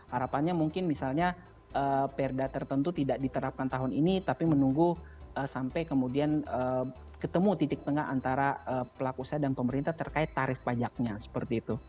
harapannya mungkin misalnya perda tertentu tidak diterapkan tahun ini tapi menunggu sampai kemudian ketemu titik tengah antara pelaku usaha dan pemerintah terkait tarif pajaknya seperti itu